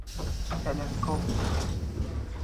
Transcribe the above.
تلسکوپ